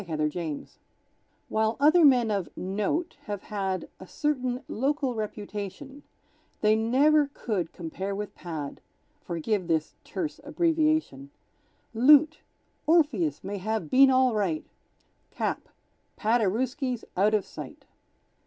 Paderewski While other men of "note" have had A certain local reputation, They never could compare with Pad, (Forgive this terse abbreviation), Loot: Orpheus may have been All Right; Cap: Paderewski's Out of Sight!